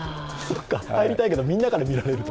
入りたいけど、みんなから見られると。